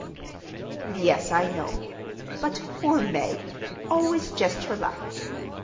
"Yes, I know; but—Poor Maggie! Always just her luck."